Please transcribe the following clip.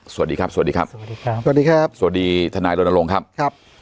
สวัสดีครับสวัสดีครับสวัสดีครับสวัสดีครับสวัสดีทนายรณรงค์ครับครับ